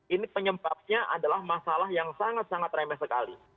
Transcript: ini penyebabnya adalah masalah yang sangat sangat remeh sekali